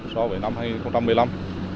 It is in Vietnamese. so với năm hai nghìn